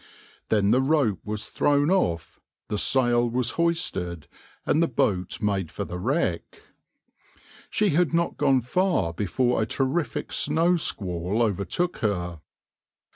Then the rope was thrown off, the sail was hoisted, and the boat made for the wreck. She had not gone far before a terrific snow squall overtook her.